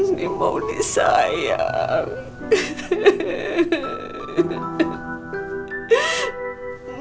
ini mau disayang